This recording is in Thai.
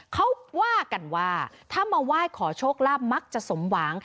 เขาว่ากันว่าถ้ามาไหว้ขอโชคลาภมักจะสมหวัง